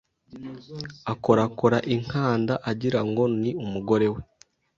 akorakora inkanda agira ngo ni umugore we,